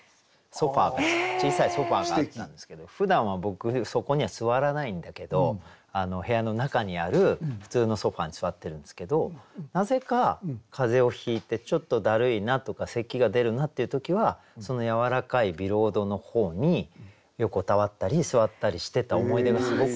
小さいソファーがあったんですけどふだんは僕そこには座らないんだけど部屋の中にある普通のソファーに座ってるんですけどなぜか風邪をひいてちょっとだるいなとか咳が出るなっていう時はそのやわらかいビロードの方に横たわったり座ったりしてた思い出がすごくあって。